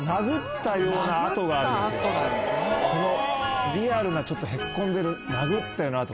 このリアルなちょっとへっこんでる殴ったような跡。